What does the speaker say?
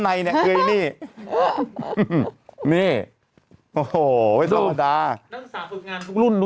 รักทุกคนโดมรักทุกคน